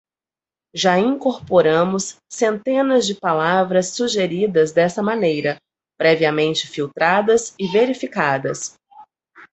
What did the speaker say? Já incorporamos centenas de palavras sugeridas dessa maneira, previamente filtradas e verificadas.